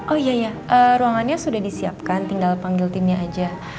oh iya ya ruangannya sudah disiapkan tinggal panggil timnya aja